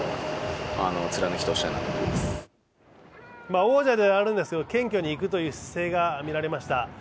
王者ではあるんですけど謙虚にいくという姿勢が見られました。